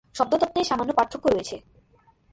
শব্দতত্ত্বে সামান্য পার্থক্য রয়েছে।